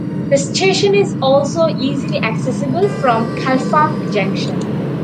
The station is also easily accessible from Clapham junction.